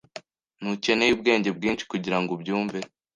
Ntukeneye ubwenge bwinshi kugirango ubyumve.